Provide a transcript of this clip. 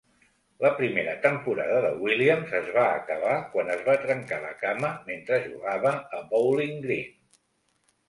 La primera temporada de Williams es va acabar quan es va trencar la cama mentre jugava a Bowling Green.